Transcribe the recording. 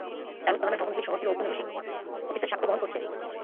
দারুস সালামের ভবনগুলি শহরটির ঔপনিবেশিক অতীতের সাক্ষ্য বহন করছে।